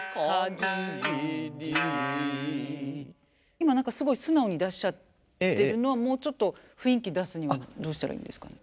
今何かすごい素直に出しちゃってるのはもうちょっと雰囲気出すにはどうしたらいいんですかね？